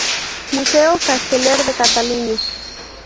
Museo Casteller de Cataluña.